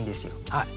はい